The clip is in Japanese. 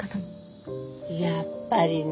やっぱりね。